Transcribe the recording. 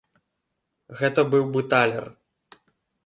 Гэты быў бы талер.